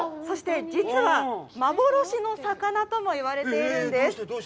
そして、実は幻の魚とも言われているんです。